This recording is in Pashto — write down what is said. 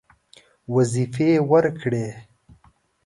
وظیفې ورکړې.